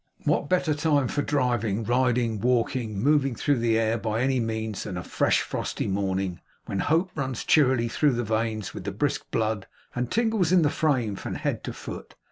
What better time for driving, riding, walking, moving through the air by any means, than a fresh, frosty morning, when hope runs cheerily through the veins with the brisk blood, and tingles in the frame from head to foot!